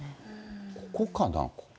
ここかな。